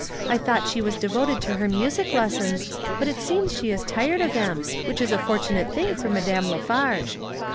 I thought she was devoted to her music lessons, but it seems she is tired of them, which is a fortunate thing for Madame La Farge."